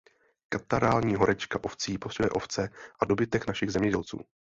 Katarální horečka ovcí postihuje ovce a dobytek našich zemědělců.